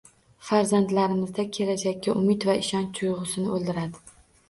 Farzandlarimizda kelajakka umid va ishonch tuygʻusini oʻldiradi!